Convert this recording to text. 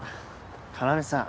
要さん。